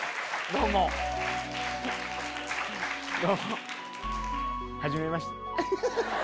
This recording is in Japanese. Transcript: どうもはじめまして。